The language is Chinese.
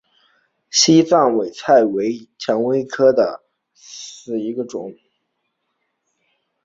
西藏委陵菜为蔷薇科委陵菜属下的一个种。